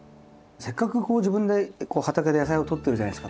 せっかくこう自分でこう畑で野菜をとってるじゃないですか。